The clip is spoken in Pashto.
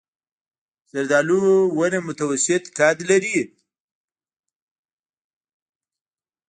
زردالو ونه متوسط قد لري.